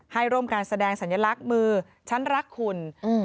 ให้ร่วมการแสดงสัญลักษณ์มือฉันรักคุณ